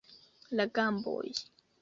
La gamboj.